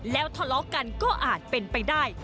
แล้วทะเลาะกันก็อาจเป็นไปได้